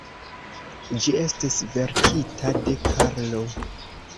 Ĝi estis verkita de Karlo.